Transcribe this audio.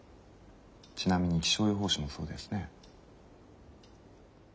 ちなみに気象予報士もそうですね。